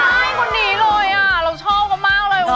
ใช่คนนี้เลยเราชอบเขามากเลยวะ